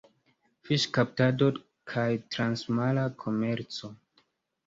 Fiŝkaptado kaj transmara komerco.